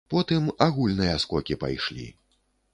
Потым агульныя скокі пайшлі.